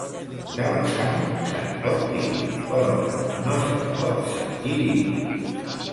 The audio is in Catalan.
De la sang se'n pot dir, però no se'n pot sentir dir.